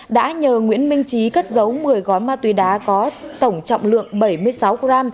đã nhờ nguyễn minh trí cất giấu một mươi gói ma túy đá có tổng trọng lượng bảy mươi sáu gram